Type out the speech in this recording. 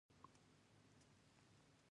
افغانان ولې ډیر چای څښي؟